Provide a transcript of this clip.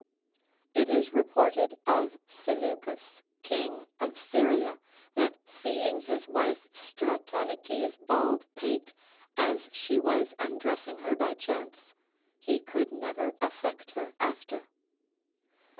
It is reported of Seleucus, king of Syria, that seeing his wife Stratonice's bald pate, as she was undressing her by chance, he could never affect her after.